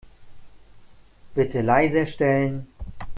Bitte leiser stellen.